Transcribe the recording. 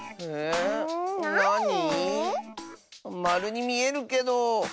まるにみえるけど。